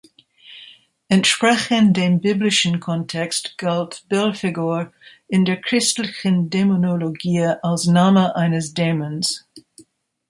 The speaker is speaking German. Entsprechend dem biblischen Kontext galt "Belphegor" in der christlichen Dämonologie als Name eines Dämons.